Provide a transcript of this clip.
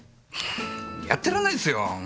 やってらんないっすよ！